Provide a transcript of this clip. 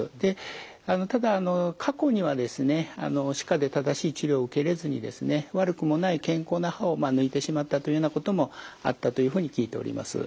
ただ過去にはですね歯科で正しい治療を受けれずにですね悪くもない健康な歯を抜いてしまったというようなこともあったというふうに聞いております。